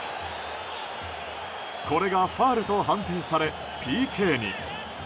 これがファウルと判定されＰＫに。